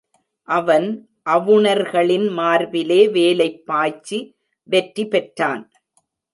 அவன் அவுணர்களின் மார்பிலே வேலைப் பாய்ச்சி வெற்றி பெற்றான்.